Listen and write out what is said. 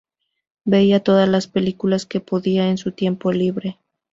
Veía todas las películas que podía en su tiempo libre.